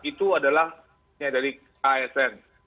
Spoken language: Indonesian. itu adalah dari asn